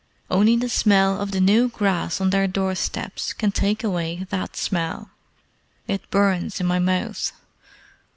Only the smell of the new grass on their door steps can take away that smell. It burns in my mouth.